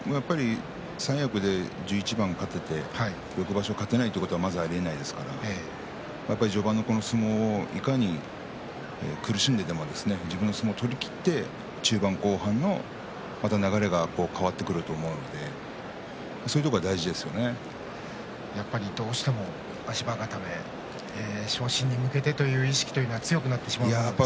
三役で１１番勝てて翌場所勝てないということはまずないですから序盤の相撲いかに苦しんでても自分の相撲を取りきって中盤、後半の流れが変わってくると思うのでやっぱり、どうしても足場固め昇進に向けての意識というのは強くなってしまうものですね。